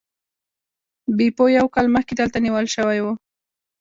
بیپو یو کال مخکې دلته نیول شوی و.